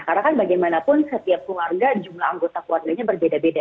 karena kan bagaimanapun setiap keluarga jumlah anggota keluarganya berbeda beda